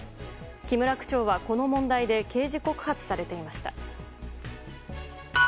木村区長はこの問題で刑事告発されていました。